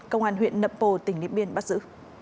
công an huyện nậm pồ tỉnh điện biên bắt giữ